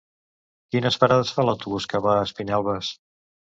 Quines parades fa l'autobús que va a Espinelves?